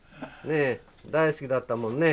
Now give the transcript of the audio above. ねえ大好きだったもんね。